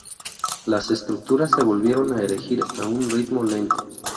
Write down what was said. Las estructuras se volvieron a erigir a un ritmo lento.